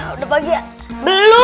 udah pagi ya belum